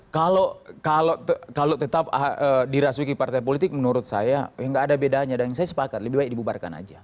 kalau tetap dirasuki partai politik menurut saya ya nggak ada bedanya dan saya sepakat lebih baik dibubarkan aja